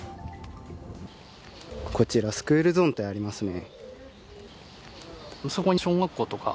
こちらスクールゾーンとありますね。